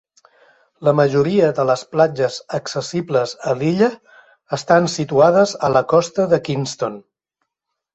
La majoria de les platges accessibles a l'illa estan situades a la costa de Kingston.